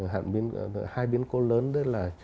hai biến cố lớn đó là